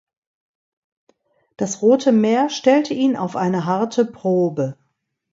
Das Rote Meer stellte ihn auf eine harte Probe.